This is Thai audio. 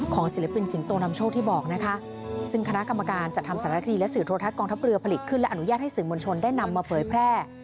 ศิลปินสิงโตนำโชคที่บอกนะคะซึ่งคณะกรรมการจัดทำสารคีและสื่อโทรทัศน์กองทัพเรือผลิตขึ้นและอนุญาตให้สื่อมวลชนได้นำมาเผยแพร่